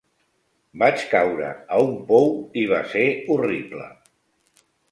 Vaig caure a un pou i va ser horrible.